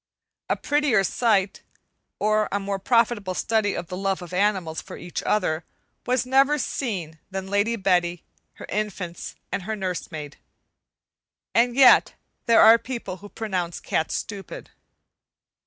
A prettier sight, or a more profitable study of the love of animals for each other was never seen than Lady Betty, her infants, and her nurse maid. And yet, there are people who pronounce cats stupid.